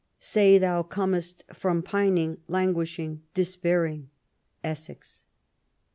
Say thou comest from pining, languishing, despairing " Essex."